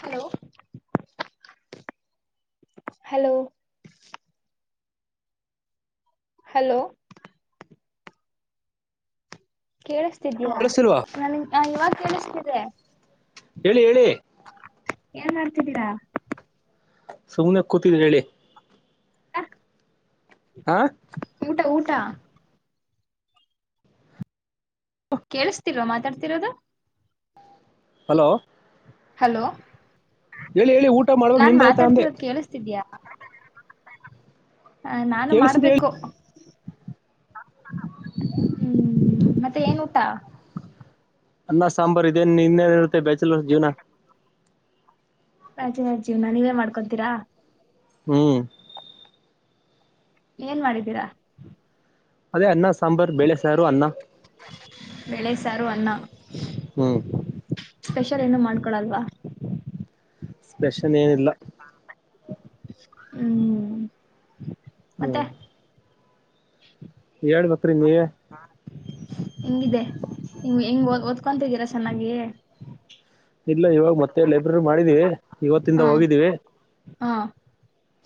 Hello hello hello ಕೇಳಿಸ್ತಿದೀಯಾ ಕೇಳಿಸ್ತಿಲ್ವಾ ನನ್ ಇವಾಗ ಕೇಳಿಸ್ತಿದೆ ಹೇಳಿ ಹೇಳಿ ಏನ್ ಮಾಡ್ತಿದ್ದೀರಾ ಸುಮ್ನೆ ಕೂತಿದ್ದೆ ಹೇಳಿ ಹಾ ಊಟ ಊಟ ಕೇಳಸ್ತಿಲ್ ಮಾತಾಡ್ತಿರೋದು ಹಲೋ ಹಲೋ ಹೇಳಿ ಹೇಳಿ ಊಟ ಮಾಡಬೇಕು ನಾನ್ ನಿಂದಾಯ್ತಾ ಅಂದೆ ಮಾತಾಡ್ತಿರೋದು ಕೇಳಿಸ್ತಿದ್ಯಾ ಹ ನಾನು ಕೇಳಿಸ್ತಿದೆ ಹೇಳಿ ಮಾಡ್ಬೇಕು ಹ್ಮ್ ಮತ್ತೆ ಏನ್ ಊಟ ಅನ್ನ ಸಾಂಬಾರ್ ಇದೇನ್ ಇನ್ನೇನ್ ಇರುತ್ತೆ ಬ್ಯಾಚುಲರ್ಸ್ ಜೀವನ ಬ್ಯಾಚುಲರ್ಸ್ ಜೀವ್ನ ನೀವೇ ಮಾಡ್ಕೊತೀರಾ ಹ್ಮ್ ಏನ್ ಮಾಡಿದ್ದೀರಾ. ಅದೇ ಅನ್ನ ಸಾಂಬಾರ್ ಬೇಳೆ ಸಾರು ಅನ್ನ. ಬೆಳೆ ಸಾರು ಅನ್ನ ಹ್ಮ್ ಸ್ಪೆಷಲ್ ಏನು ಮಾಡ್ಕೊಡಲ್ವಾ. ಸ್ಪೆಷನ್ ಏನಿಲ್ಲ. ಹ್ಮ್ ಮತ್ತೆ ಹ್ಮ್ ಹೇಳ್ಬೇಕ್ರಿ ನೀವೆ ಹೆಂಗಿದೆ ನೀವು ಹಂಗ್ ಹೆಂಗ್ ಓದ್ಕೊತಿದ್ದೀರಾ ಚೆನ್ನಾಗಿ. ಇಲ್ಲ ಇವಾಗ ಮತ್ತೆ ಲೈಬ್ರರಿ ಮಾಡಿದೀವಿ ಇವತ್ತಿಂದ ಹಾ ಹೋಗಿದ್ದೀವಿ. ಹಾ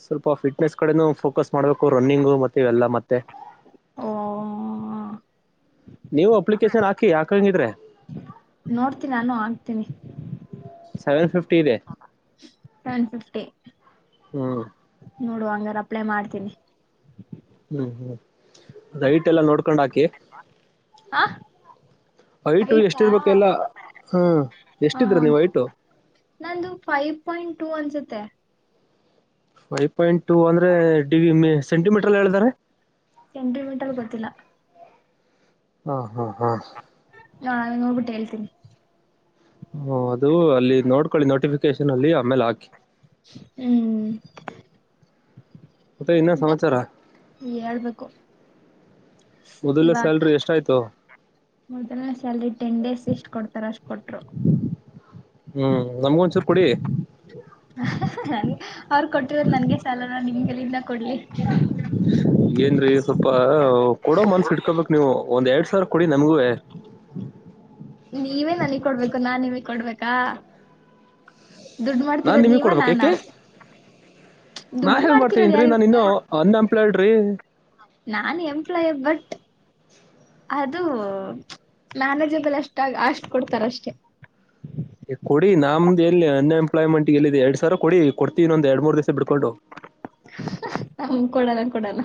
ಸ್ವಲ್ಪ ಫಿಟ್ನೆಸ್ ಕಡೆನೂ ಫೋಕಸ್ ಮಾಡ್ಬೇಕು ರನ್ನಿಂಗ್ ಮತ್ತೆ ಇವೆಲ್ಲಾ ಮತ್ತೆ. ಓ ನೀವು ಅಪ್ಲಿಕೇಶನ್ ಹಾಕಿ ಹಾಕಂಗಿದ್ರೆ. ನೋಡ್ತೀನಿ ನಾನು ಆಗ್ತೀನಿ. ಸೆವೆನ್ ಫಿಫ್ಟಿಿದೆ ಸೆವೆನ್ ಫಿಫ್ಟಿ ಹ್ಮ್ ನೋಡುವ ಹಂಗಾರ ಅಪ್ಲೈ ಮಾಡ್ತೀನಿ. ಹ್ಮ್ ಹ್ಮ್ ಅದ ನೈಟ್ ಎಲ್ಲಾ ನೋಡ್ಕೊಂಡ್ ಹಾಕಿ. ಹಾ ಐಟು ಎಷ್ಟಿರ್ಬೇಕ ಎಲ್ಲ ಹ್ಮ ಹ ಎಷ್ಟಿದ್ರ ನೀವ್ ಐಟು. ನಂದು ಫೈವ್ ಪಾಯಿಂಟ್ ಟೂ ಅನ್ಸುತ್ತೆ. ಫೈ ಪಾಯಿಂಟ್ ಟು ಅಂದ್ರೆ ಡಿಗ ಸೆಂಟಿಮೀಟರ್ಲ್ಲ ಹೇಳದಾದ್ರೆ. ಸೆಂಟಿಮೀಟರ್ ಗೊತ್ತಿಲ್ಲ. ಹಾ ಹಾ ಹಾ ನೋಬಿಟ್ ಹೇಳ್ತೀನಿ. ಹ ಅದು ಅಲ್ಲಿ ನೋಡ್ಕೊಳ್ಳಿ ನೋಟಿಫಿಕೇಶನ್ ಅಲ್ಲಿ ಆಮೇಲೆ ಹಾಕಿ. ಹ್ಮ್ ಮತ್ತೆ ಇನ್ನೇನ್ ಸಮಾಚಾರ ಹೇಳ್ಬೇಕು ಮೊದಲನೆ ಸ್ಯಾಲ್ರಿ ಎಷ್ಟಾಯ್ತು. ಮೊದಲನೆ ಸ್ಯಾಲರಿ ಟೆನ್ ಡೇಸ್ ಎಷ್ಟ ಕೊಡ್ತಾರ ಅಷ್ಟ್ ಕೊಟ್ರು. ಹ್ಮ್ ನಮ್ಗೊಂಚೂರು ಕೊಡಿ ನಂಗೆ ಅವ್ರು ಕೊಟ್ಟಿದರು ನಂಗೆ ಸಾಲನ ನಿಮ್ಗೆಲಿಂದ. [inaudible] ಏನ್ರಿ ಸ್ವಲ್ಪ ಕೊಡೋ ಮನ್ಸ ಇಟ್ಕೊಬೇಕ್ ನೀವು ಒಂದ್ ಎರಡ್ ಸಾವಿರ ಕೊಡಿ ನಮಗೂವೆ. ಹ್ಮ್ ನೀವೇ ನನಗ್ ಕೊಡ್ಬೇಕು ನಾ ನೀವ ಕೊಡ್ಬೇಕಾ. ದುಡ್ಡು ನಾನ್ ಮಾಡ್ತಿರೋದ್ ನಿಮಗೆ ನೀವ ಕೊಡ್ಬೇಕು ನಾನಾ ಯಾಕೆ ನಾ ದುಡ್ಡು ಹೇ ಮಾಡ್ತಿರೋದ್ ಮಾಡ್ತೇನ್ ಯಾರ್ ನಾನು ಇನ್ನು ಹನ್ನಪ [unintelligible] ಡ್ರಿ ನಾನು ಎಂಪ್ಲಯ್ ಬಟ್ ಅದು ಮ್ಯಾನೇಜಬಲ್ ಅಷ್ಟ ಅಷ್ಟು ಕೊಡ್ತಾರ ಅಷ್ಟೆ. ಎಂಲಾಯ್ಮಂಟ್ ಎಲ್ಲಿದೆ ಎರಡ್ ಸಾವರ ಕೊಡ್ತೀವ್ ಒಂದು ಎರಡು ಮೂರು ದಿವಸ ಬಿಡ್ಕೊಂಡು. ಹ ಕೊಡೋಣ ಕೊಡೋಣ.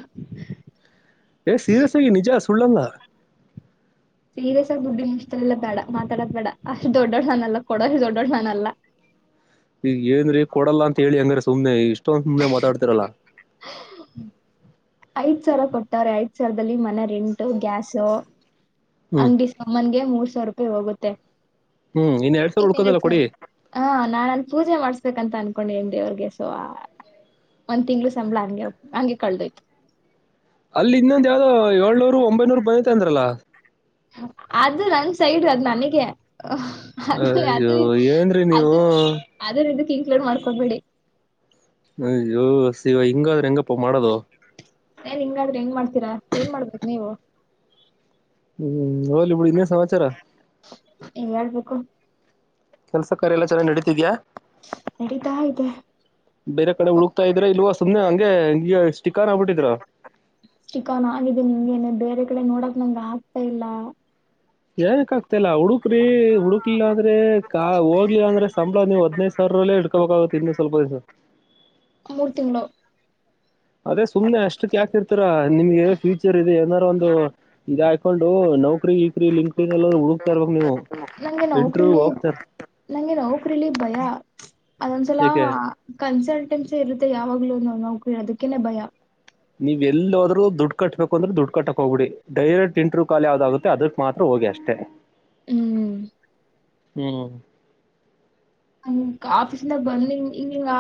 ಏ ಸೀರೆಸಾಗಿ ನಿಜ ಸುಳ್ಳಲ್ಲ. ಸೀರಿಯಸ್ ಆಗ ಡ್ಡ ಇಷ್ಟಲ್ಲ ಬೇಡ ಮಾತಾಡೋದು ಬೇಡ ಅಷ್ಟ ದೊಡ್ಡಡ್ ನಾನ್ ಅಲ್ಲ ಕೊಡೋ ಅಷ್ಟ ದೊಡ್ಡೊಡ್ಡ ನಾನ್ ಅಲ್ಲ. [inaudible] ಈಗ ಏನ್ರಿ ಕೊಡಲ್ಲ ಅಂತ ಹೇಳಿ ಹಂಗ್ರೆ ಸುಮ್ನೆ ಇಷ್ಟ ಸುಮ್ನೆ ಮಾತಾಡ್ತಿರಲ್ಲ. ಐದ ಸಾವಿರ ಕೊಟ್ಟವ್ರ ಐದ ಸಾವಿರದಲ್ಲಿ ಮನೆ ರೆಂಟು ಗ್ಯಾಸು ಹ್ಮ್ ಅಂಗಡಿ ಸಮನ್ಗೆ ಮೂರ್ ಸಾವಿರ ರೂಪಾಯಿ ಹೋಗುತ್ತೆ ಹ್ಮ್ ಸಾವಿರ ಇನ್ ಎರಡ್ ಉಳ್ಕೋದಲ್ಲ ಸಾವಿರ ಕೊಡಿ ಹಾ ನಾನ್ ಪೂಜೆ ಮಾಡ್ಸ್ [unintelligible] ಅನ್ಕೊಂಡಿದೀನಿ ದೇವ್ರಗೆ ಸೊ ಒಂದ್ ತಿಂಗ್ಳ ಸಂಬಳ ಹಂಗೆ ಹಂಗೆ ಕಳ್ದೋಯ್ತು ಅಲ್ಲಿ ಇನ್ನೊಂದ ಯಾವ್ದೋ ಏಳ್ನೂರು ಒಂಬೈನೂರು ಬಂದೈತ್ ಅಂದ್ರಲ್ಲ ಅದು ನನ್ ಸೈಡ್ ಅದು ನನಗೆ [unintelligible] ಅಯ್ಯೋ ಏನ್ರೀ ನೀವು ಅದ್ರ ಇದಕ್ [unintelligible] ಮಾಡ್ಕೊಬೇಡಿ ಹ ಸಿವ ಹಿಂಗಾದ್ರೆ ಹೆಂಗಪ್ಪ ಮಾಡೋದು ಏನ್ ಹಿಂಗ್ ಅಡ್ದೆ ಹೆಂಗ್ ಮಾಡ್ತೀರಾ ಏನ್ ಮಾಡ್ಬೇಕ್ ನೀವು ಹ್ಮ್ ಹೋಗ್ಲಿ ಬಿಡು ಇನ್ನೇಸ್ ಹೇಳ್ಬೇಕು ಕೆಲ್ಸ ಕಾರ್ಯ ಎಲ್ಲ ಚೆನ್ನಗ್ ನಡೀತಿದ್ಯಾ ನಡೀತಾ ಇದೆ ಬೇರೆ ಕಡೆ ಉಡುಕ್ತಾ ಇದ್ರೆ ಇಲ್ವ ಸುಮ್ನೆ ಹಂಗೆ ಹಿಂಗಷ್ ಚಿಕನ್ ಆಗಿದೆ ನಿನ್ಗೆನೆ ಬೇರೆ ಕಡೆ ನೋಡಕ್ ನಂಗ್ ಆಗ್ತಾ ಇಲ್ಲ [unintelligible] ಗತ್ತಲ್ಲ ಹುಡುಕ್ರಿ ಹುಡುಕ್ಲಿಲ್ಲ ಅಂದ್ರೆ ಕಾ ಹೋಗ್ಲಿಲ್ಲ ಅಂದ್ರೆ ಸಂಬಳ ನೀವು ಹದ್ನೈದು ಸಾವಿರಲ್ಲೇ ಇಡ್ಕೋಬೇಕಾಗು ತಿನ್ನು ಸ್ವಲ್ಪ ದಿಸ ಮೂರು ತಿಂಗ್ಲು ಅದೇ ಸುಮನೆ ಅಷ್ಟಕ್ಯಾಕಿರ್ತರಾ ನಿಮ್ಗೆ ಫ್ಯೂಚರ್ ಇದೆ ಏನ ಒಂದು ಇದ ಹಾಕೊಂಡು ನೌಕ್ರಿ ಈಕ್ರಿ [unintelligible] ಎಲ್ಲಾದ ಹುಡುಕ್ತಾ ಇರ್ಬೇಕ್ ನೀವು ನಂಗೆ ಇಂಟರ್ವ್ಯೂ ನೌಕರಿಲಿ ಹೋಗ್ತಾರ ನಂಗೆ ನೌಕರಿಲಿ ಭಯ ಅದೊಂದ್ಸಲ ಯಾಕೆ ಕನ್ಸಲ್ಟೆನ್ಸಿ ಇರುತ್ತೆ ಯಾವಾಗ್ಲೂ ನೌಕರಿ ಅದಕ್ಕೇನೆ ಭಯ ನೀವ್ ಎಲ್ಲೋದ್ರೂ ದುಡ್ಡು ಕಟ್ಟಬೇಕು ಅದ್ರು ದುಡ್ಡು ಕಟ್ಟಕ್ ಹೋಗ್ಬೇಡಿ ಡೈರೆಕ್ಟ್ ಇಂಟ್ರವ ಕಲ್ ಯಾವ್ದಗುತ್ತೆ ಅದಕ್ ಮಾತ್ರ ಹೊ [unintelligible] ಅಷ್ಟೇ ಹ್ಮ್ ಹ್ಮ ಹ ಆಫೀಸಿಂದ ಬಂದಿ ಹಿಂಗಿಂಗ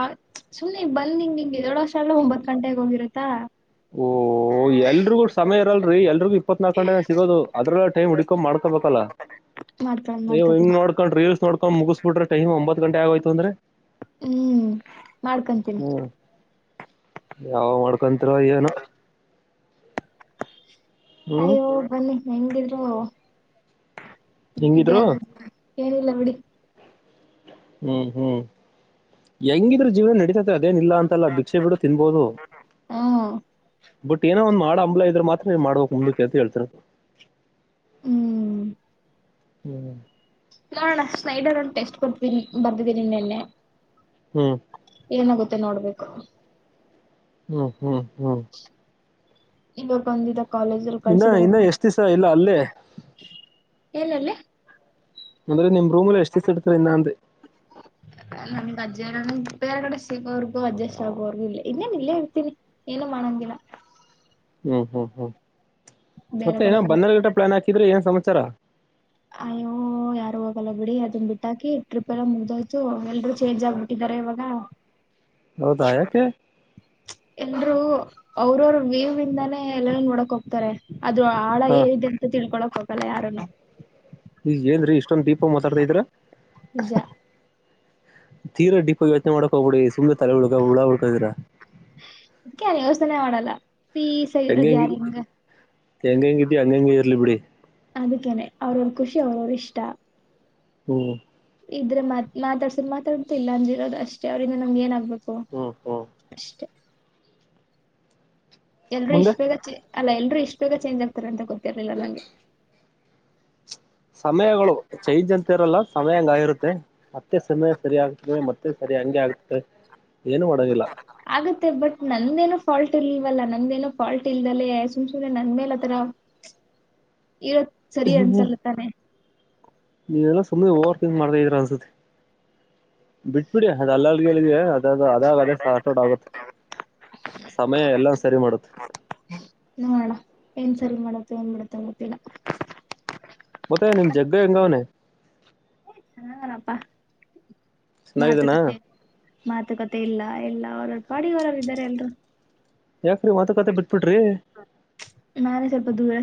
ಸುಮ್ ಬಂದಿಗ್ ಹಿಂಗ್ ಎದ್ದಾಳಾಸ್ಟ್ ಒಂಬತ್ ಗಂಟೆ ಹೋಗಿರತ ಓ ಎಲ್ರಿಗೂ ಸಮಯ ಇರಲ್ರಿ ಎಲ್ರಿಗೂ ಇಪ್ಪತ್ನಾಕ ಗಂಟೆನೆ ಸಿಗೋದು ಅದ್ರಲ್ಲ ಟೈಮ್ ಹುಡ್ಕೊಂಡ್ ಮಾಡ್ಕೋಬೇಕಲ್ಲ ಮಾಡ್ಕೊಂಡ್ ಎವ್ ಹಿಂಗ್ ಮಾಡ್ಕತೀನಿ ನೋಡ್ಕೊಂಡ್ ರೀಲ್ಸ್ ನೋಡ್ಕೊಂಡ್ ಮುಗಿಸಬಿಟ್ರೆ ಟೈಮ್ ಒಂಬತ್ ಗಂಟೆ ಆಗೋಯ್ತು ಅಂದ್ರೆ ಹ್ಮ್ ಮಾಡ್ಕಂತಿನಿ ಯಾವಗ್ ಮಾಡ್ಕೊಂತೀರೋ ಏನೊ ಅಯ್ಯೋ ಬನ್ನಿ ಹೆಂಗಿದ್ರು ಹಿಂಗಿದ್ರು [unintelligible] ಏನಿಲ್ಲ ಬಿಡಿ ಹ್ಮ್ ಹ್ಮ್ ಹೆಂಗಿದ್ರು ಜೀವನ ನಡೀತತ್ ಅದೇನ ಇಲ್ಲ ಅಂತಲ್ಲ ಭಿಕ್ಷೆ ಬಿಡು ತಿನ್ಬೋದು ಹಾ ಬಟ್ ಏನೋ ಒಂದ್ ಮಾಡ ಅಂಬಲ ಇದ್ರ ಮಾತ್ರ ನೀ ಮಾಡ್ಬೇಕ್ ಮುಂದಕ್ಕೆೆ ಅಂತ ಹೇಳ್ತಿರದು ಹ್ಮ್ ಹ್ಮ್ ನೋಡೋಣ ಸ್ನೈಡರ್ ಒಂದು ಟೆಸ್ಟ್ ಕೊಟ್ಟತೀನಿ ಬರ್ದಿದ್ದೀನಿ ನಿನ್ನೆ ಹ್ಮ್ ಏನಾಗುತ್ತೆ ನೋಡ್ಬೇಕು ಹ್ಮ್ ಹ್ಮ್ ಹ್ಮ್ ಇವರ್ ಬಂದಿದ ಇನ್ನ ಇನ್ನ ಎಷ್ಟು ದಿಸ ಇಲ್ ಅಲ್ಲೇ ಎಲಲ್ಲಿ [inaudible] ನಂದ ನಿಂಬ್ರೂ ಮೂಲೆ ಲಷ್ಟಿಸಿೆಡ್ತ ಇನ್ನ ವಜ್ಜ ಬೇರೆಗಡೆ ಸಿಗೋವರ್ಗೂ ವಜ್ಜ ಶ್ರಾಗವರ್ಗು ಇಲ್ಲ ಇನ್ನೇನ್ ಇಲ್ಲೇ ಇರ್ತೀನಿ ಏನು ಮಾಡಂಗಿಲ್ಲ ಹ್ಮ್ ಹ್ಮ್ ಹ್ಮ್ ಬೇರೆ ಮತ್ತೆ ಕಡೆ ಏನೋ ಹೋಗ ಬಂದಾರ್ ಗಟ ಪ್ಲಾನ್ ಹಾಕಿದ್ರೆ ಏನ ಸಮಾಚಾರ ಅಯ್ಯೋ ಯಾರು ಓಗಲ್ಲ ಬಿಡಿ ಅದನ್ನ ಬಿಟ್ಟಾಕ ಟ್ರಿಪ್ ಎಲ್ಲ ಮುಗ್ದೋಯ್ತು ಎಲ್ರು ಚೇಂಜ್ ಆಗ್ಬಿಟ್ಟಿದ ಅ ಬಾಗ ಹೌದಾ ಯಾಕೆ ಎಲ್ರು ಅವ್ರವರು ವಿವಂದಾನೇ ಎಲ್ಲ ನೋಡಕ್ ಹೋಗ್ತಾರೆ ಅದು ಆಳ ಹಾ ಏನಿದೆ ಅಂತ ತಿಳ್ಕೊಳಕ್ ಹೋಗಲ ಯರ ನ ಈ ಎನ್ರಿ ಇಷ್ಟೊಂದ ದೀಪ ಮಾತಾಡ್ತಾಿದ್ರ ನಿಜ. ತೀರ ಡಿಪ ಯೋಚನೆ ಮಾಡ ಅ ಸುಂದ ತಲೆ ಉಡುಕ ಹಲ್ಲಾ ಉಡುಕ ಇದರ ಅದ್ಕೆ ನಾನ್ ಯೋಚ್ನೆ ಮಾಡಲ್ಲ ಆಗಿರೋದ್ ಎಂಗಂಗ ಯಾರ್ ಹೆಂಗ ಎಂಗಂಗನು ಕಟ್ಟಿ ಅಂಗಂಗ ಕರಲ ಇಬಡ ಅದಕ್ಕೇನೆ ಅವ್ರವ್ರ ಖುಷಿ ಅವ್ರವ ಇಷ್ಟ ಹ್ಮ್ ಇದ್ರೆ ಮಾತ್ ಮಾತಾಡ್ಸ್ ಮಾತಾಡ್ತಿಲ್ಲ ಅಂದಿರೋದು ಅಷ್ಟೇ ಅವ್ರ ನಮಗೆ ಏನ್ ಆಗ್ಬೇಕು ಹ್ಮ್ ಹ್ಮ್ ಅಷ್ಟೇ. ಎಲ್ರು ಮುಂದೆ ಇಷ್ಟು ಬೇಗ ಅಲ್ಲ ಎಲ್ರು ಇಷ್ಟು ಬೇಗ ಚೇಂಜ್ ಆಗ್ತಾರೆ ಅಂತ ಗೊತ್ತಿರ್ಲಿಲ್ಲ ನಂಗೆ ಸಮಯಗಳು ಚೈಂಜ್ ಅಂತ ಇರಲ್ಲ ಸಮಯ ಹಂಗಾಗಿರುತ್ತೆ ಮತ್ತೆ ಸಮಯ ಸರಿ ಆಗ್ತವೆ ಮತ್ತೆ ಸರಿ ಹೆಂಗೆ ಆಗ್ತ ಏನು ಮಾಡಂಗಿಲ್ಲ ಮ ಬಟ್ ನಂದೇನೋ ಫಾಲ್ಟ್ ಇಲ್ವಲ್ಲ ನಂದ್ದೇನೋ ಫಾಲ್ಟ್ ಇಲ್ದಲ ಸುಮ್ ಸುನೆ ನಂದ ಮೇಲೆತ್ರರ ಇತ್ ಸರಿ ಅನ್ಸಲ್ಲ ತಾನೆ ನೀವೆಲ್ಲಾ ಸುಮ್ಮ್ನೆ ಓವರ್ಕಿಂಗ್ ಮಾಡ್ತಾ ಇದ್ರ ಅನ್ಸತಿ ಬಿಟ್ಬಿಡಿ ಅದ ಅಲ್ಲರ್ಗೆಲ್ಲಿದ್ವಿ ಅದ ಅದಾಗ ಅದೇ ಸೋಟ್ ಆಗುತ್ತೆ ಸಮಯ ಎಲ್ಲ ಸರಿ ಮಾಡುತ್ತೆ ನೋಡಣ ಏನ್ ಸರಿ ಮಾಡತ್ತೆ ಏನ್ ಮಾಡತ್ತೆಗತ್ತಿಲ್ಲ ಮತ್ತೆ ನಿಮ್ ಜಗ್ಗ ಹೆಂಗ ಅವ್ನೆ ಹಪ್ಪಾ ಚೆನ್ನಾಗಿದನಾ ಮಾತುಕತೆ ಮಾತುಕತೆ ಇಲ್ಲ ಎಲ್ಲ ಅವರ ಬಾಡಗರಲ್ಲ ಇದ್ದಾರೆ ಎಲ್ರು ಯಾಕ್ರಿ ಮಾತುಕತೆ ಬಿಟ್ಬಿಡ್ರಿ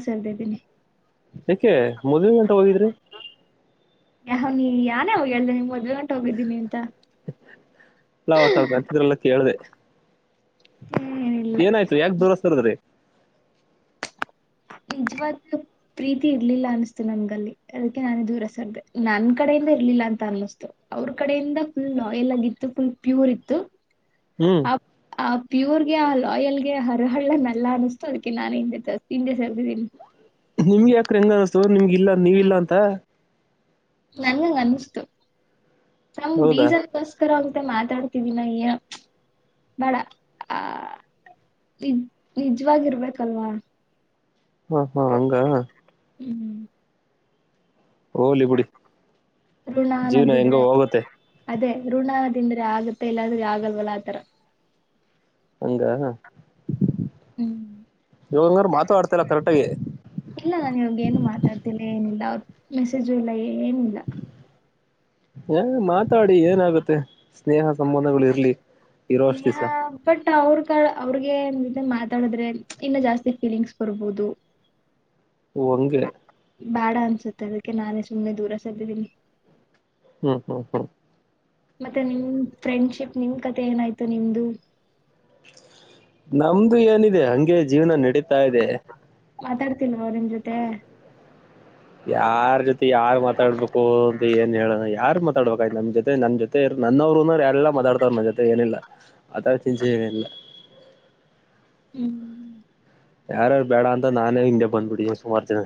ಚಂದ ಇದ್ದೀನಿ ಯಕೆ ಮದ್ವ ಗಂಟೆ ಹೋಗಿದ್ರಿ ಯ ಹ ನೀ ಯಾನ ಹ ಎಲ್ಲ ನಿಮ್ ಮೊದ್ ಗಂಟ ಹೋಗಿದ್ದೀನಿ ಅಂತ ಲಾವತ್ವಂತಿದ್ರೆಲ್ಲ ಕೇಳ್ದ ಏನಿಲ್ಲ ಏನಾಯ್ತು ಯಾಕ್ ದೋರಿಸಸ್ತರ್ದ್ರೀ ಈ ಯಾಗ ಪ್ರೀತಿ ಇರ್ಲಿಲ್ಲ ಅನಿಸ್ತು ನಮ್ಗಲ್ಲಿ ಅದಕ್ಕೆ ನಾನು ದೂರ ಸರ್ದೆ ನನ್ ಕಡೆಯಿಂದ ಇರ್ಲಿಲ್ಲ ಅ ಅಂತ ಅನ್ನಿಸ್ತು ಅವ್ರ ಕಡೆಯಿಂದ ಫುಲ್ ಆಯಿಲ್ ಆಗಿತ್ತು ಫುಲ್ ಪ್ಯೂರ್ ಇತ್ತು ಹ್ಮ್ ಆ ಆ ಪ್ಯೂರ್ಗೆ ಆ ಲಾಯಲ್ಗೆ ಹರಹಳ್ಳನ್ಲ್ಲ ಅನಿಸ್ತು ಅದಕ್ಕೆ ನಾನು ಹಿಂದೆ ಹಿಂದೆ ಸೆರ್ದಿದೀನಿ ನಿಮ್ಗೆ ಯಾಕ್ರ ಹೆಂಗ ಅನಿಸ್ತು ನಿಮ್ಗ ಇಲ್ಲ ನೀವ ಇಲ್ಲಾ ಅಂತ ನಂಗಂಗ ಅನಿಸ್ತು ನಮ್ ಹೌದಾ ಬೀಜಕ್ಕೋಸ್ಕರ ಆ ಮತ್ತೆ ಮಾತಾಡ್ತಿದಿನಾ ಈ ಬಡ ಆ ನಿಜ ನಿಜವಾಗಿರ್ಬೇಕಲ್ವಾ ಹಾ ಹಾ ಹಂಗ ಹ್ಮ್ ಹ್ಮ್ ಹೋಗ್ಲಿ ಬಿಡಿ ಜೀವನ ಹೆಂಗೋ ಋಣಾನ್ದಿದ್ರೆ ಹೋಗುತ್ತೆ ಅದೇ ಋಣ ತಿಂದ್ರೆ ಆಗತ್ತೆ ಇಲ್ಲಾದ್ರೆ ಆಗಲ್ವಲ್ಲ ಆತರ ಹಂಗ ಹ್ಮ್ ಯೋಗಂಗ್ರ ಮಾತು ಆಡ್ತಲ್ಲ ಕರೆಕ್ಟಗ ಇಲ್ಲ ನಾನ್ ಇವಾಗ್ ಏನು ಮಾತಾಡ್ತಿಲ್ಲ ಏನಿಲ್ಲ ಮೆಸೇಜು ಇಲ್ಲ ಏನಿಲ್ಲ ಹೇ ಮಾತಾಡಿ ಏನಾಗುತ್ತೆ ಸ್ನೇಹ ಸಂಬಂಧಗಳ್ ಇರ್ಲಿ. ಇರೋ ಅಷ್ಟ್ ಸ್ನೇಹ ದಿವಸ ಬಟ್ ಇನ್ನ ಅವ್ರ್ಗಳ್ ಅವ್ರ್ಗೆ ಮಾತಾಡಿದ್ರೆ ಇನ್ನು ಜಾಸ್ತಿ ಫೀಲಿಂಗ್ಸ್ ಬರ್ಬಹದು. ಓ ಹಂಗೆ. ಬೇಡ ಅನ್ಸುತ್ತೆ ಅದಕ್ಕೆ ನಾನೇ ಸುಮ್ನೆ ದೂರ ಸರ್ದಿದ್ದೀನಿ. ಹ್ಮ್ ಹ್ಮ್ ಹ್ಮ್. ಮತ್ತೆ ನಿಮ್ ಫ್ರೆಂಡ್ಶಿಪ್ ನಿಮ್ ಕತೆೆ ಏನಾಯ್ತು ನಿಮ್ದು. ನಮ್ದು ಏನಿದೆ ಹಂಗೆ ಜೀವನ ನಡೀತಾ ಇದೆ. ಮಾತಾಡ್ತಿಲ್ವಾ ನಿಮ್ ಜೊತೆ. ಯಾರ್ ಜೊತೆ ಯಾರ್ ಮಾತಾಡ್ಬೇಕು ಅಂತ ಏನ್ ಹೇಳೋಣ ಯಾರ್ ಮಾತಾಡ್ಬೇಕಾಯ್ತ್ ನಮ್ ಜೊತೆ ನಮ್ ಜೊತ್ ತೆ ನನ್ನವ್ರು ಅನ್ನೋರು ಯಾರಿಲ್ಲ ಮಾತಾಡ್ತಾರ್ ನನ್ ಜೊತೆ ಏನಿಲ್ಲ ಆತರ ಚಿಂಚೆ ಏನಿಲ್ಲ. ಹ್ಮ್. ಯಾರ್ಯಾರ್ ಬೇಡ ಅಂತ ನಾನೇ ಹಿಂದೆ ಬಂದ್ಬಿಡಿ ಸುಮಾರ್ ಜನ.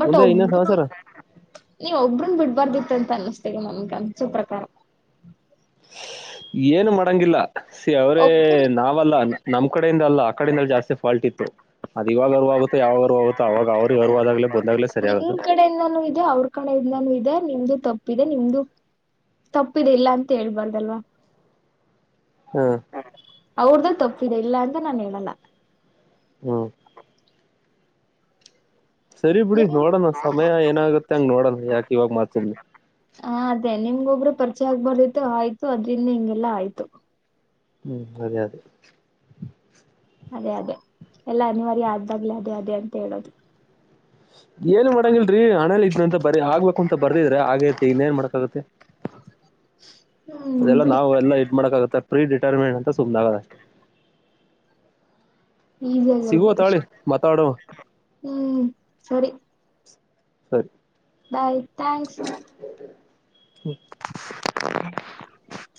ಬಟ್ ಮುಂದೆ ಇನ್ನೇನ್ ಒಬ್ರು ಸಮಾಚಾರ ನೀವ್ ಒಬ್ರನ್ ಬಿಡ್ಬಾರ್ದಿತ್ ತಂತ್ ಅನ್ನಿಸ್ತಿದೆ ನನಗಂಸೋ ಪ್ರಕಾರ. ಏನು ಮಾಡಂಗಿಲ್ಲ. ಸಿ ಅವ್ರೇ ಒಬ್ರು ನಾವಲ್ಲ ನಮ್ ಕಡೆಯಿಂದ ಅಲ್ಲ ಆ ಕಡೆಯಿಂದ ಜಾಸ್ತಿ ಫಾಲ್ಟ್ ಇತ್ತು. ಅದಿವಾಗ ಅರುವಾಗುತ್ತೋ ಯಾವಾಗ್ ಅರುವಾಗುತ್ತೋ ಅವಾಗ ಅವ್ರಿಗ್ ಅರುವಾದಾಗ್ಲೇ ಬಂದಾಗ್ಲೇ ಸರಿ ಆಗದು. ಅವ್ರ್ ಕಡೆಯಿಂದನೂ ಇದೆ. ನಿಮ್ದು ತಪ್ಪಿದೆ ನಿಮ್ದು ತಪ್ಪಿದೆ ಇಲ್ಲ ಅಂತ ಹೇಳ್ಬಾರ್ದಲ್ವಾ. ಹ್ಮ್. ಅವ್ರ್ದು ತಪ್ಪಿದೆ ಇಲ್ಲ ಅಂತ ನಾನ್ ಹೇಳಲ್ಲ. ಹ್ಮ್. ಸರಿ ಬಿಡಿ ನಿಮ್ ನೋಡೋಣ ಸಮಯ ಏನಾಗುತ್ತೆ ಹಂಗ್ ನೋಡೋಣ ಯಾಕ್ ಇವಾಗ ಮಾತ್ ಸುಮ್ನೆ. ಹ ಅದೇ ನಿಮ್ಗೊಬ್ರು ಪರ್ಚಯ ಆಗ್ಬಾರ್ದಿತ್ತು ಆಯ್ತು ಅದ್ರಿಂದ ಹಿಂಗೆಲ್ಲಾ ಆಯ್ತು. ಹ್ಮ್ ಅದೇ ಅದೇ. ಅದೇ ಅದೇ ಎಲ್ಲ ಅನಿವಾರ್ಯ ಆದ್ದಾಗ್ಲೆೇ ಅದೇ ಅದೇ ಅಂತ ಹೇಳೋದು. ಏನ್ ಮಾಡಂಗಿಲ್ರರಿ ಹಣೇಲಿ ಇದ್ ಅಂತ ಬರಿ ಆಗ್ಬೇಕುಂತ ಬರ್ದಿದ್ರೆ ಆಗೇತಿ ಇನ್ನೇಏನ್ ಮಾಡಕಗತ್ತೆ [inaudible] ಹ್ಮ್ ಅದೆಲ್ಲಾ ಬಿಡಿ ನಾವು ಎಲ್ಲ ಇದ್ ಮಾಡಕಾಗುತ್ತೆ ಪ್ರೀ ರಿಟೈರ್ಮೆಂಟ್. ಸುಮ್ನಾಗೋದಷ್ಟೇ. ಈಜಿಯಾಗಿ ಹೇಳ್ಬೋದಷ್ಟೇ ಹ್ಮ್ ಸರಿ. ಸರಿ. Bye thanks. ಹ್ಮ್. [unintelligible]